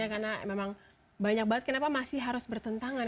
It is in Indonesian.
karena memang banyak banget kenapa masih harus bertentangan